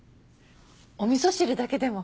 おみそ汁だけでも。